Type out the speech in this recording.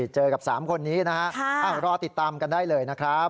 เจอกับ๓คนนี้นะฮะรอติดตามกันได้เลยนะครับ